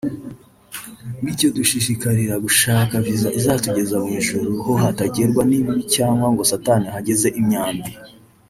Bityo dushishikarire gushaka Visa izatugeza mu ijuru ho hatagerwa n’ibibi cyangwa ngo Satani ahageze imyambi”